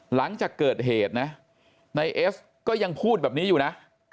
หลังจากเกิดเหตุนะนายเอสก็ยังพูดแบบนี้อยู่นะ